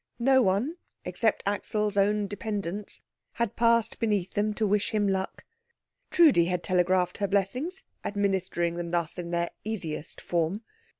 No one, except Axel's own dependents, had passed beneath them to wish him luck. Trudi had telegraphed her blessings, administering them thus in their easiest form.